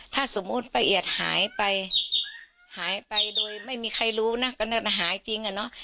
ถ้าสมมุติป้าเอียดหายไปหายไปโดยไม่มีใครรู้นะตอนนั้นหายจริงอ่ะเนอะ